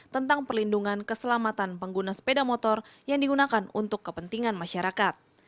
tentang perlindungan keselamatan pengguna sepeda motor yang digunakan untuk kepentingan masyarakat